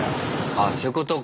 ああそういうことか。